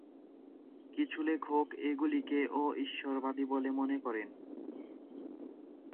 কিছু লেখক এগুলিকে অ-ঈশ্বরবাদী বলে মনে করেন।